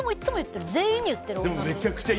全員に言ってるもん。